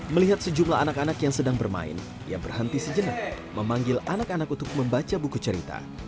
melihat sejumlah anak anak yang sedang bermain ia berhenti sejenak memanggil anak anak untuk membaca buku cerita